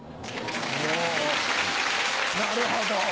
おなるほど。